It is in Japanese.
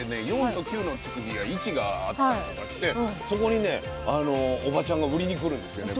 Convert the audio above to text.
４と９の付く日は市があったりとかしてそこにねおばちゃんが売りに来るんですよね。